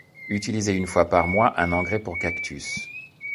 Utiliser une fois par mois un engrais pour cactus.